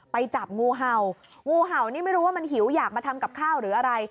ไปจับงูเห่างูเห่านี่ไม่รู้ว่ามันหิวอยากมาทำกับข้าวหรืออะไร